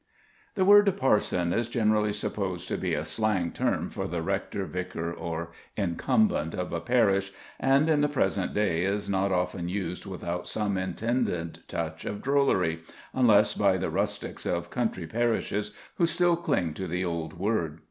The word parson is generally supposed to be a slang term for the rector, vicar, or incumbent of a parish, and, in the present day, is not often used without some intended touch of drollery, unless by the rustics of country parishes who still cling to the old word.